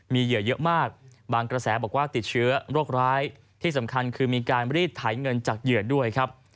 มีเหยื่อเยอะมากบางกระแสบอกว่าติดเชื้อโรคร้ายที่สำคัญคือมีการรีดไถเงินจากเหยื่อด้วยครับ